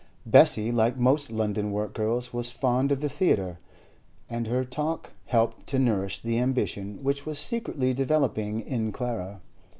Bessie, like most London work girls, was fond of the theatre, and her talk helped to nourish the ambition which was secretly developing in Clara.